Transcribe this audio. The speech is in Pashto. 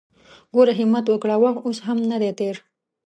ګوره همت وکړه! وخت اوس هم ندی تېر!